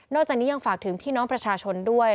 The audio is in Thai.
จากนี้ยังฝากถึงพี่น้องประชาชนด้วย